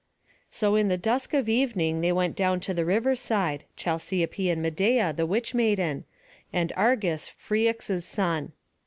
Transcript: So in the dusk of evening they went down to the riverside, Chalciope and Medeia the witch maiden, and Argus, Phrixus's son.